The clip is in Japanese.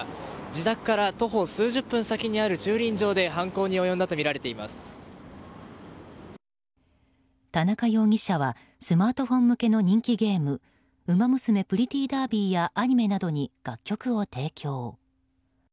自宅から徒歩数十分先にある駐輪場で田中容疑者はスマートフォン向けの人気ゲーム「ウマ娘プリティーダービー」やアニメなどに楽曲を提供。